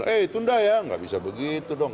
eh itu undah ya gak bisa begitu dong